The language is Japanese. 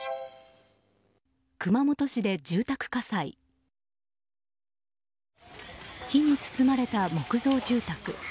火に包まれた木造住宅。